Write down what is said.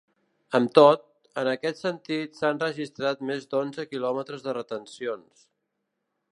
Amb tot, en aquest sentit s’han registrat més d’onze quilòmetres de retencions.